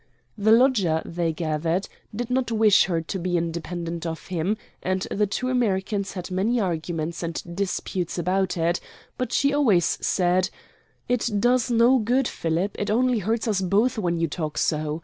The lodger, they gathered, did not wish her to be independent of him and the two Americans had many arguments and disputes about it, but she always said, "It does no good, Philip; it only hurts us both when you talk so.